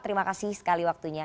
terima kasih sekali waktunya